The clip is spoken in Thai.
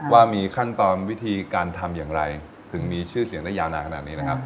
ว่ามีขั้นตอนวิธีการทำอย่างไรถึงมีชื่อเสียงได้ยาวนานขนาดนี้นะครับ